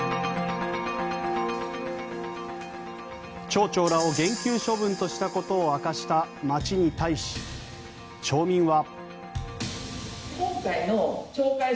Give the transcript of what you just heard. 町長らを減給処分としたことを明かした町に対し、町民は。